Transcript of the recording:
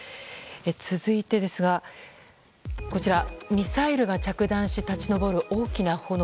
続いて、ミサイルが着弾し立ち上る大きな炎。